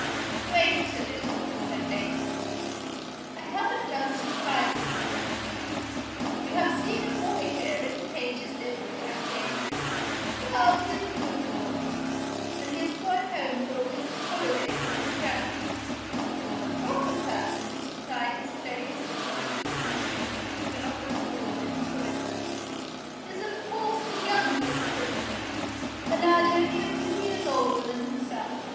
"Wait a little," said Lady Lydiard, "I haven't done surprising you yet. You have seen a boy here in a page's livery, I think? Well, he is a good boy; and he has gone home for a week's holiday with his friends. The proper person to supply his place with the boots and shoes and other small employments, is of course the youngest footman, a lad only a few years older than himself.